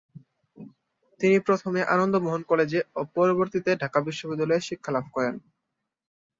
তিনি প্রথমে আনন্দ মোহন কলেজে ও পরবর্তীতে ঢাকা বিশ্ববিদ্যালয়ে শিক্ষা লাভ করেন।